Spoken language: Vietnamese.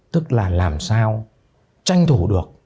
tức là làm sao tranh thủ được